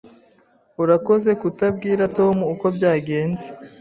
Urakoze kutabwira Tom uko byagenze.